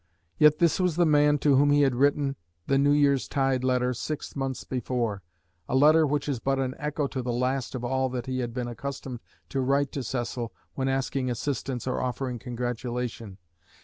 Yet this was the man to whom he had written the "New Year's Tide" letter six months before; a letter which is but an echo to the last of all that he had been accustomed to write to Cecil when asking assistance or offering congratulation.